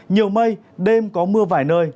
nhiều mây đêm có mưa vài nơi